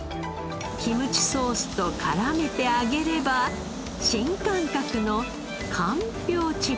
キムチソースと絡めて揚げれば新感覚のかんぴょうチップス。